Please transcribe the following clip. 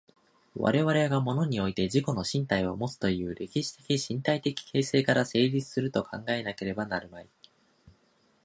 我々が物において自己の身体をもつという歴史的身体的形成から成立すると考えなければなるまい。